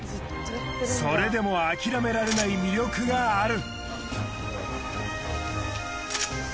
それでも諦められない魅力がある。